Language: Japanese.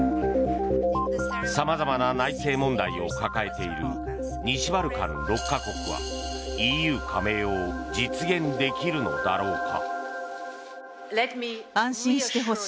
さまざまな内政問題を抱えている西バルカン６か国はＥＵ加盟を実現できるのだろうか。